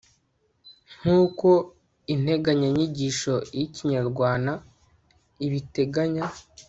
nkuko integanya nyigisho y'ikinyarwana ibiteganya